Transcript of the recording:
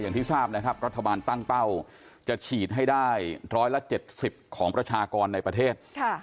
อย่างที่ทราบนะครับรัฐบาลตั้งเป้าจะฉีดให้ได้๑๗๐ของประชากรในประเทศ